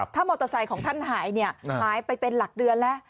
ถ้ามอเตอร์ไซค์ของท่านหายเนี่ยหายไปเป็นหลักเดือนแล้ว